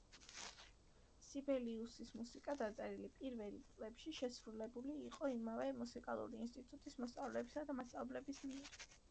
სიბელიუსის მუსიკა, დაწერილი პირველ წლებში შესრულებული იყო ამავე მუსიკალური ინსტიტუტის მოსწავლეებისა და მასწავლებლების მიერ.